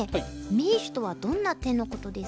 名手とはどんな手のことですか？